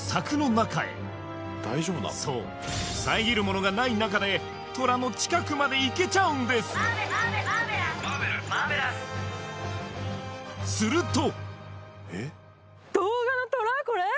そう遮るものがない中でトラの近くまで行けちゃうんですこれ？